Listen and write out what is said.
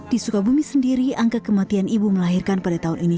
di sukabumi sendiri angka kematian ibu melahirkan pada tahun ini